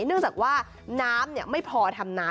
เนื่องจากว่าน้ำไม่พอทำน้ำ